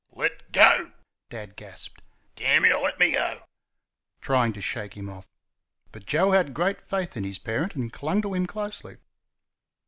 "Let go!" Dad gasped. "DAMN Y', let me GO! " trying to shake him off. But Joe had great faith in his parent, and clung to him closely.